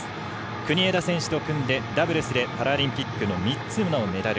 国枝選手と組んでダブルスでパラリンピックで３つのメダル。